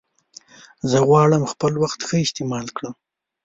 زه غواړم خپل وخت ښه استعمال کړم.